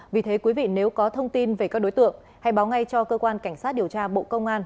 vì thế quý vị nếu có thông tin về các đối tượng hãy báo ngay cho cơ quan cảnh sát điều tra bộ công an